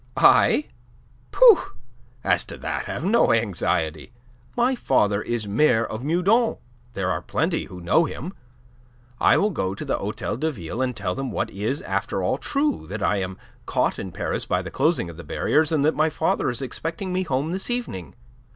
"I? Pooh! As to that, have no anxiety. My father is Mayor of Meudon. There are plenty who know him. I will go to the Hotel de Ville, and tell them what is, after all, true that I am caught in Paris by the closing of the barriers, and that my father is expecting me home this evening.